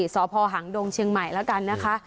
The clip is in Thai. สพหางดงเชียงใหม่แล้วกันนะคะ